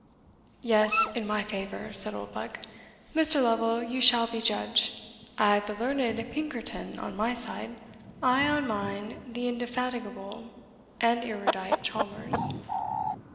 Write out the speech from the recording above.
"Yes, in my favour," said Oldbuck: "Mr. Lovel, you shall be judge I have the learned Pinkerton on my side." "I, on mine, the indefatigable and erudite Chalmers."